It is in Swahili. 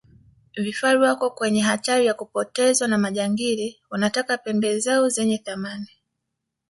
vifaru wako kwenye hatari ya kupotezwa na majangili wanataka pembe zao zenye thamani